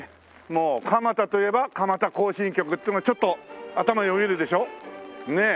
もう蒲田といえば『蒲田行進曲』ってのがちょっと頭よぎるでしょ？ねえ。